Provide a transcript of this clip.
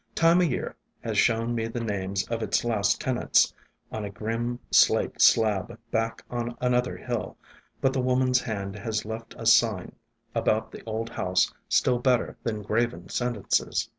Time o' Year has shown me the names of its last tenants on a grim slate slab back on another hill; but the woman's hand has left a sign about the old house still better than graven sentences.